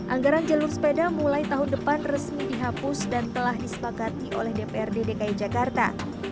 anggaran jalur sepeda mulai tahun depan resmi dihapus dan telah disepakati oleh dprd dki jakarta